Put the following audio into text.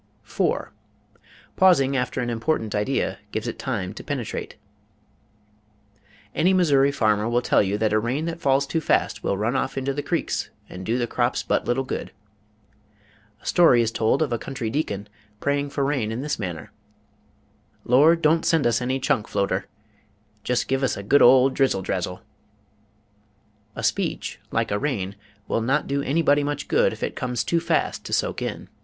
4. Pausing After An Important Idea Gives it Time to Penetrate Any Missouri farmer will tell you that a rain that falls too fast will run off into the creeks and do the crops but little good. A story is told of a country deacon praying for rain in this manner: "Lord, don't send us any chunk floater. Just give us a good old drizzle drazzle." A speech, like a rain, will not do anybody much good if it comes too fast to soak in.